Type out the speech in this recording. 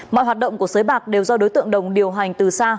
mọi hoạt động của sới bạc đều do đối tượng đồng điều hành từ xa